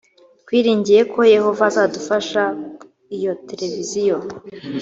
twiringiye ko yehova azadufasha iyo televiziyo